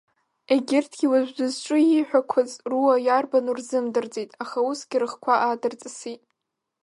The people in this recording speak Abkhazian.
Егьырҭгьы уажә дызҿу ииҳәақәаз руа иарбану рзымдырӡеит, аха усгьы рыхқәа аадырҵысит.